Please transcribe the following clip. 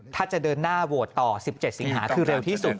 ถ้าจะเดินหน้าโหวตต่อ๑๗สิงหาคือเร็วที่สุด